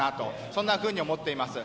そんなふうに思っています。